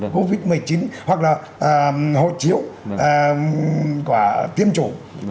covid một mươi chín hoặc là hộ chiếu của tiêm chủ